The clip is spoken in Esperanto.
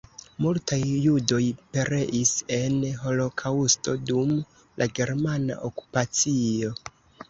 Multaj judoj pereis en holokaŭsto dum la germana okupacio.